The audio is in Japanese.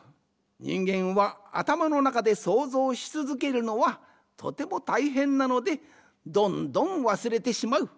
にんげんはあたまのなかで想像しつづけるのはとてもたいへんなのでどんどんわすれてしまう。